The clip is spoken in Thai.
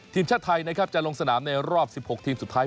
ทีมชาติไทยนะครับจะลงสนามในรอบ๑๖ทีมสุดท้าย